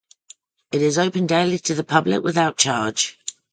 It is open daily to the public without charge.